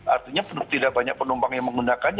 artinya tidak banyak penumpang yang menggunakannya